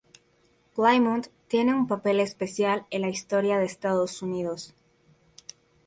Plymouth tiene un papel especial en la historia de Estados Unidos.